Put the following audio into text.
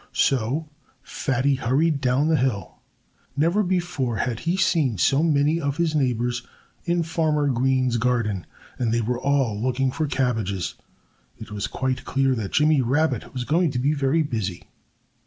So Fatty hurried down the hill. Never before had he seen so many of his neighbors in Farmer Green's garden. And they were all looking for cabbages. It was quite clear that Jimmy Rabbit was going to be very busy.